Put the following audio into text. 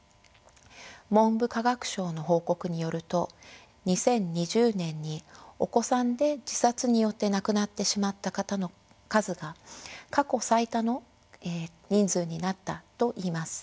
文部科学省の報告によると２０２０年にお子さんで自殺によって亡くなってしまった方の数が過去最多の人数になったといいます。